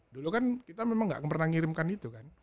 dulu kan kita memang tidak pernah ngirimkan itu kan